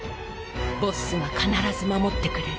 ボッスが必ず守ってくれる。